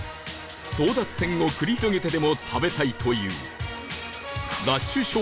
争奪戦を繰り広げてでも食べたいという